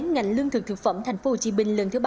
ngành lương thực thực phẩm tp hcm lần thứ ba